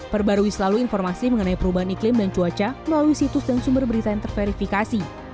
perbarui selalu informasi mengenai perubahan iklim dan cuaca melalui situs dan sumber berita yang terverifikasi